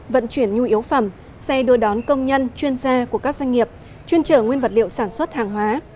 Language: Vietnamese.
vận chuyển nhu yếu phẩm xe đuôi đón công nhân chuyên gia của các doanh nghiệp chuyên trở nguyên vật liệu sản xuất hàng hóa